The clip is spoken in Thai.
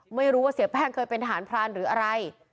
ไม่รู้ว่าเสียแป้งเคยเป็นทหารพรานหรืออะไร